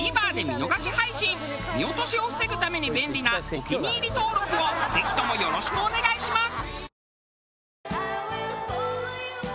見落としを防ぐために便利なお気に入り登録をぜひともよろしくお願いします！